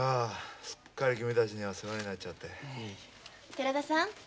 寺田さん